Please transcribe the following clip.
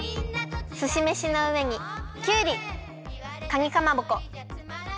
すしめしのうえにきゅうりかにかまぼこツナマヨ